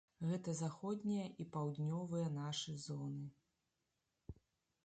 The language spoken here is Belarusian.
Гэта заходняя і паўднёвая нашы зоны.